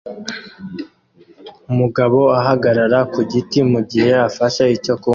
Umugabo ahagarara ku giti mugihe afashe icyo kunywa